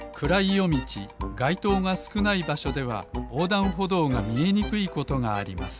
よみちがいとうがすくないばしょではおうだんほどうがみえにくいことがあります。